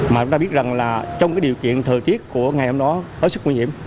mà chúng ta biết rằng là trong cái điều kiện thời tiết của ngày hôm đó hết sức nguy hiểm